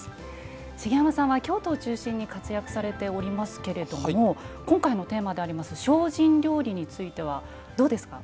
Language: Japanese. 茂山さんは京都を中心に活躍されていますけれども今回のテーマであります「精進料理」についてはどうですか？